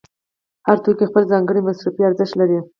هر توکی خپل ځانګړی مصرفي ارزښت لري